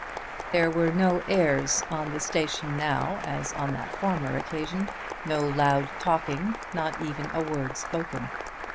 There were no airs on the station now as on that former occasion, no loud talking; not even a word spoken.